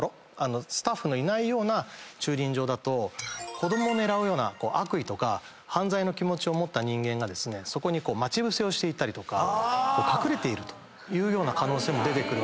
スタッフのいないような駐輪場だと子供狙うような悪意とか犯罪の気持ちを持った人間がそこに待ち伏せをしていたり隠れているというような可能性も出てくる。